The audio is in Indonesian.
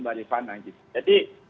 barifana gitu jadi